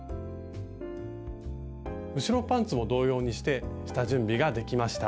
後ろパンツも同様にして下準備ができました。